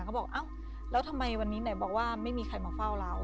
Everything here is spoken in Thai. เขาบอกอ้าวแล้วทำไมวันนี้ไหนบอกว่าไม่มีใครมาเฝ้าเรา